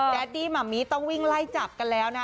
ดดี้หมัมมิต้องวิ่งไล่จับกันแล้วนะ